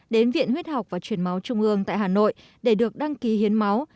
đến viện huyết học và truyền máu trung ương tại hà nội để được đăng ký hiến máu